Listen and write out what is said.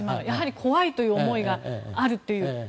やはり怖いという思いがあるという。